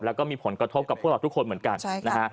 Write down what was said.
แล้วก็มีผลกระทบกับพวกเราทุกคนเหมือนกันนะฮะ